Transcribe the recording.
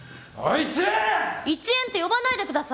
イチエンって呼ばないでください。